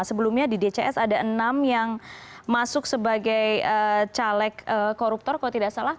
sebelumnya di dcs ada enam yang masuk sebagai caleg koruptor kalau tidak salah